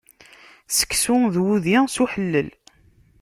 Sseksu d wudi, s uḥellel!